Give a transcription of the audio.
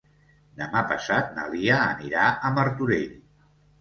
Demà passat na Lia anirà a Martorell.